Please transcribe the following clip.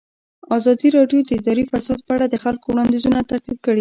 ازادي راډیو د اداري فساد په اړه د خلکو وړاندیزونه ترتیب کړي.